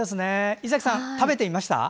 伊崎さん、食べてみました？